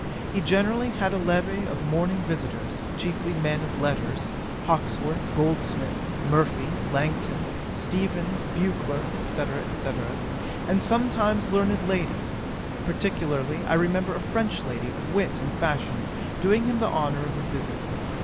He generally had a levee of morning visitors, chiefly men of letters; Hawkesworth, Goldsmith, Murphy, Langton, Steevens, Beauclerk, &c. &c., and sometimes learned ladies, particularly I remember a French lady of wit and fashion doing him the honour of a visit.